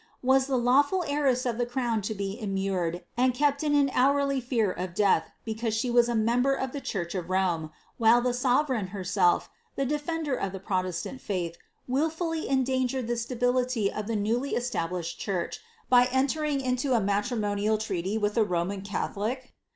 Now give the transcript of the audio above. Was the lawful heiress of the crown to be immured and kept in hourly fear of death because she was a member of the church of Rome, while the sovereign herself, the defender of ihf proteslant faith, wilfjlly endangered the stability of the newly established church, by entering into a matrimonial treaty with a Roman Catholic!